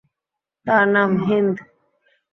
তাঁর নাম হিন্দ।